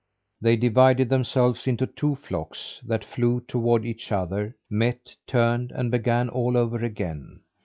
They divided themselves into two flocks, that flew toward each other, met, turned, and began all over again.